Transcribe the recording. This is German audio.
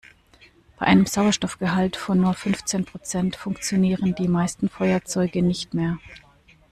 Bei einem Sauerstoffgehalt von nur fünfzehn Prozent funktionieren die meisten Feuerzeuge nicht mehr.